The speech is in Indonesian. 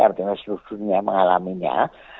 artinya seluruh dunia mengalaminya